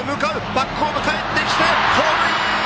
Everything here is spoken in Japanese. バックホームかえってきてホームイン！